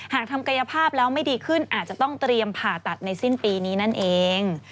หากทำกายภาพแล้วไม่ดีขึ้นอาจจะต้องเตรียมผ่าตัดในสิ้นปีนี้นั่นเอง